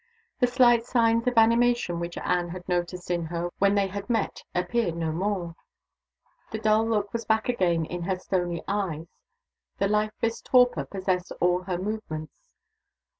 The slight signs of animation which Anne had noticed in her when they last met appeared no more. The dull look was back again in her stony eyes; the lifeless torpor possessed all her movements.